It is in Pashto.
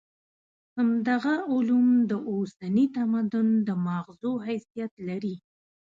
همدغه علوم د اوسني تمدن د ماغزو حیثیت لري.